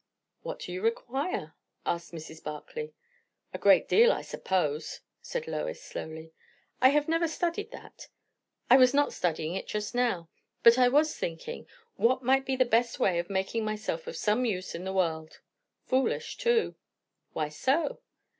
"What do you require?" asked Mrs. Barclay. "A great deal, I suppose," said Lois slowly. "I have never studied that; I was not studying it just now. But I was thinking, what might be the best way of making myself of some use in the world. Foolish, too." "Why so?"